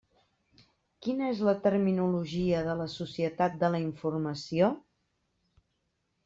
Quina és la terminologia de la societat de la informació?